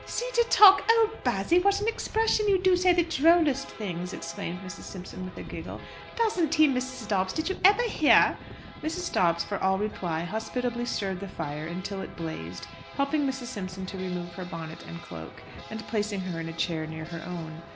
"See to talk! Oh, Bassy, what an expression! You do say the drollest things!" exclaimed Mrs. Simpson with a giggle. "Doesn't he, Mrs. Dobbs? Did you ever hear ?" Mrs. Dobbs, for all reply, hospitably stirred the fire until it blazed, helped Mrs. Simpson to remove her bonnet and cloak, and placed her in a chair near her own.